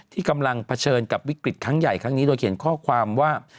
ที่กำลังเผชิญกับวิกฤตครั้งใหญ่ครั้งนี้โดยเขียนข้อความว่า